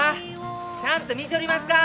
ちゃんと見ちょりますか！？